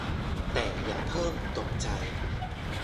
แต่อย่าเพิ่งตกใจ